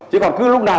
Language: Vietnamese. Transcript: chứ còn cứ lúc nào